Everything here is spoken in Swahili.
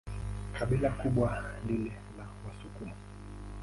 Kabila kubwa ni lile la Wasukuma.